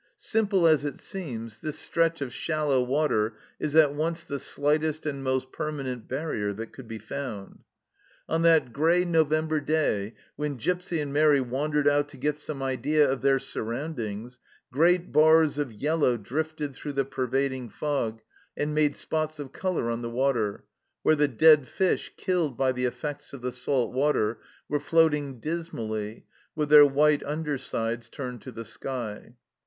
Simple as it seems, this stretch of shallow water is at once the slightest and most permanent barrier that could be found. On that grey Novem ber day, when Gipsy and Mairi wandered out to get some idea of their surroundings, great bars of yellow drifted through the pervading fog, and made spots of colour on the water, where the dead fish, killed by the effects of the salt water, were floating dismally, with their white undersides turned to the sky.